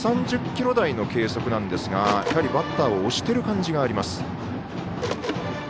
１３０キロ台の計測なんですがバッターを押している感じがあります。